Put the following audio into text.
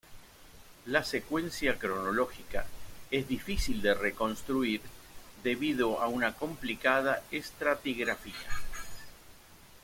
La secuencia cronológica es difícil de reconstruir, debido a una complicada estratigrafía.